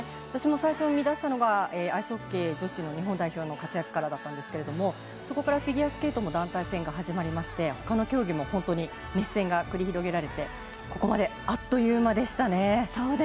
私も最初、見出したのがアイスホッケー女子日本代表の活躍からだったんですがそこからフィギュアスケートも団体戦が始まりましてほかの競技も本当に熱戦が繰り広げられてここまであっという間でしたね。